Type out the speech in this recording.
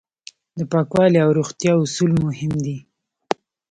د پاکوالي او روغتیا اصول مهم دي.